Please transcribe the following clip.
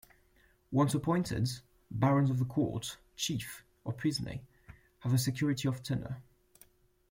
Once appointed, Barons of the Court, Chief or puisne, have security of tenure.